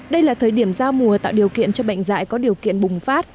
đây là thời điểm giao mùa tạo điều kiện cho bệnh dạy có điều kiện bùng phát